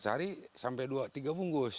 sehari sampai tiga bungkus